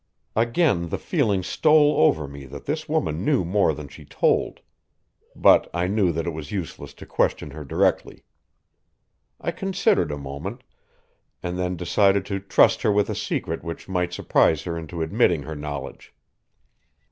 Again the feeling stole over me that this woman knew more than she told. But I knew that it was useless to question her directly. I considered a moment, and then decided to trust her with a secret which might surprise her into admitting her knowledge.